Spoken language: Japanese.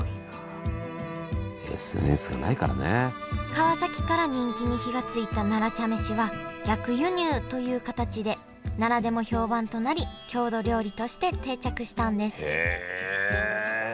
川崎から人気に火がついた奈良茶飯は逆輸入という形で奈良でも評判となり郷土料理として定着したんですへえ。